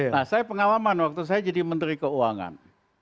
nah saya pengalaman waktu saya jadi menteri keuangan